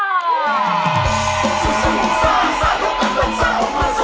พวกเรากลุ่มแชร์ในตัว